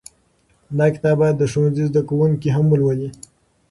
دا کتاب باید د ښوونځي زده کوونکي هم ولولي.